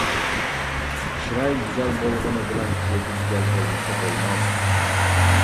چىراي گۈزەل بولغىنى بىلەن، قەلبى گۈزەل بولمىسا بولماس.